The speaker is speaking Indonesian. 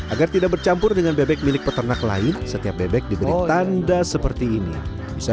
agar tidak bercampur dengan bebek milik peternak lain setiap bebek diberi tanda seperti ini bisa